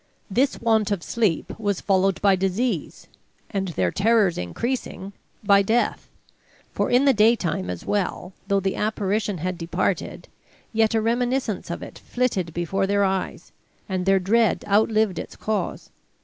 This want of sleep was followed by disease, and, their terrors increasing, by death. For in the daytime as well, though the apparition had departed, yet a reminiscence of it flitted before their eyes, and their dread outlived its cause.